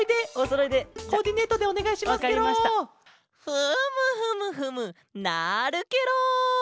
フムフムフムなるケロ！